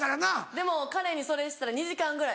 でも彼にそれしたら２時間ぐらい。